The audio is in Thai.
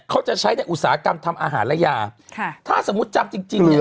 เขาจะใช้ในอุตสาหกรรมทำอาหารและยาค่ะถ้าสมมุติจำจริงจริงเนี่ย